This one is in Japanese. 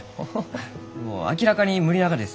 明らかに無理ながです。